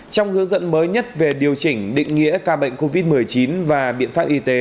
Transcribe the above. trong hướng dẫn mới nhất về điều chỉnh định nghĩa ca bệnh covid một mươi chín và biện pháp y tế